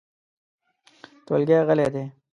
ټولګی غلی دی .